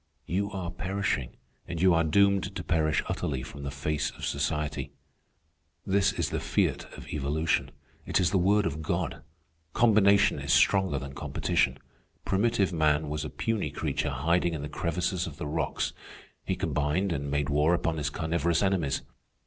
You are perishing, and you are doomed to perish utterly from the face of society. "This is the fiat of evolution. It is the word of God. Combination is stronger than competition. Primitive man was a puny creature hiding in the crevices of the rocks. He combined and made war upon his carnivorous enemies.